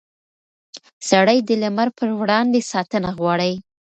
سړي د لمر پر وړاندې ساتنه غواړي.